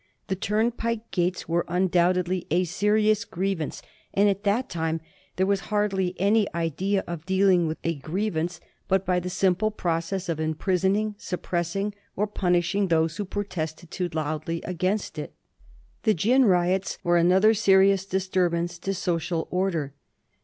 The turnpike gates were un doubtedly a serious grievance, and at that time there was hardly any idea of dealing with a grievance but by the simple process of imprisoning, suppressing, or punishing those who protested too loudly against it. The Gin riots were another serious disturbance to social order.